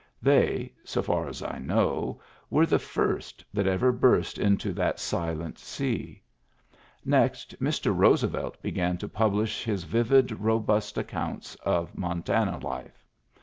They (so far as I know) were the first that ever burst into that silent sea. Next, Mr. Roosevelt began to publish his vivid, robust accounts of Montana life.